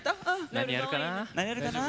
何やるかな？